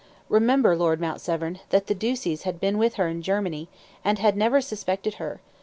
Remember, Lord Mount Severn, that the Ducies had been with her in Germany, and had never suspected her.